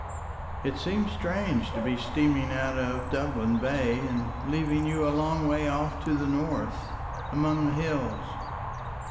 it seemed strange to be steaming out of Dublin Bay and leaving you a long way off to the north among the hills